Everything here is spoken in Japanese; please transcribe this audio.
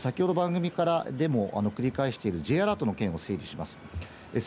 先ほどの番組でも繰り返しているＪアラートの件を整理します。